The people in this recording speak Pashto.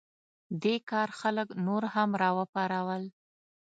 دې کار خلک نور هم راوپارول.